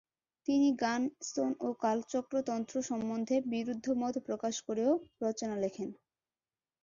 তিনি গ্ঝান-স্তোন ও কালচক্র তন্ত্র সম্বন্ধে বিরুদ্ধমত প্রকাশ করেও রচনা লেখেন।